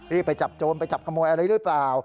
ไปจับโจรไปจับขโมยอะไรหรือเปล่า